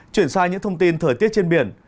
chuyển sang những thông tin thời tiết trên biển